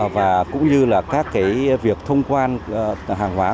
và cũng như là các cái việc thông quan hàng hóa